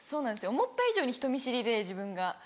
思った以上に人見知りで自分が。